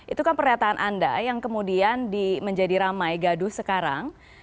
itu kan pernyataan anda yang kemudian menjadi ramai gaduh sekarang